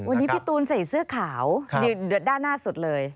วันนี้พี่ตูนใส่เสื้อขาวด้านหน้าสุดเลย